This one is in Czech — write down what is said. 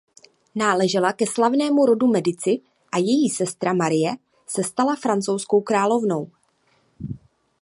Náležela ke slavnému rodu Medici a její sestra Marie se stala francouzskou královnou.